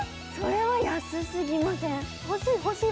それは安すぎません！？